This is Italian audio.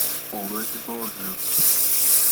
Over the Border